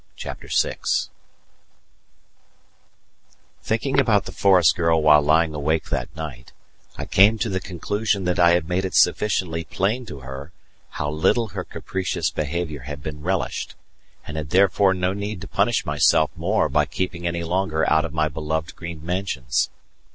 CHAPTER VI Thinking about the forest girl while lying awake that night, I came to the conclusion that I had made it sufficiently plain to her how little her capricious behaviour had been relished, and had therefore no need to punish myself more by keeping any longer out of my beloved green mansions.